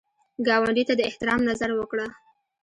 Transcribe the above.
ګاونډي ته د احترام نظر وکړه